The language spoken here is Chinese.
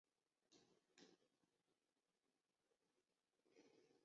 县治在缅甸著名避暑胜地花城彬乌伦。